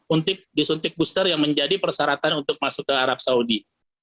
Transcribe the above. untuk disuntik booster yang menjadi persyaratan untuk masuk ke arab saudi